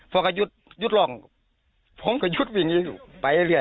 พอเขายุทธ์ยุทธ์รองผมก็ยุทธ์วิ่งไปเลย